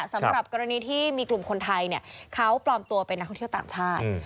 สำหรับกรณีที่มีกลุ่มคนไทยเขาปลอมตัวเป็นนักท่องเที่ยวต่างชาติ